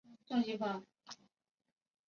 向传师是宋朝政治人物。